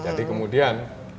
jadi kita bisa menggunakan